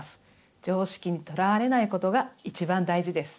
常識にとらわれないことが一番大事です。